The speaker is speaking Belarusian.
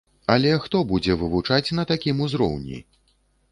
Але хто будзе вывучаць на такім узроўні?